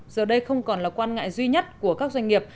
giờ đây không còn là quan ngại duy nhất của các doanh nghiệp